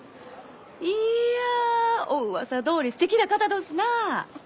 いやお噂どおりすてきな方どすな。